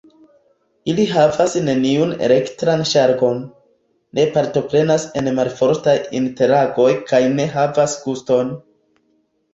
Ili havas neniun elektran ŝargon, ne partoprenas en malfortaj interagoj kaj ne havas guston.